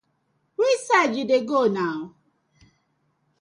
Wusai yu dey go na?